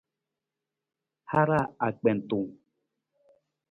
Haraa akpentung.